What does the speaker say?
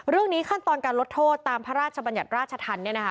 เรื่องนี้ขั้นตอนการลดโทษตามพระราชบัญญัติราชธรรม